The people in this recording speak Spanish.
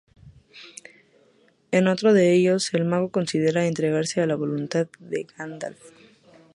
En otro de ellos, el mago considera entregarse a la voluntad de Gandalf.